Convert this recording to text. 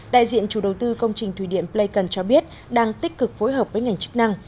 đại diện chủ đầu tư công trình thủy điện pleikon cho biết đang tích cực phối hợp với ngành chức năng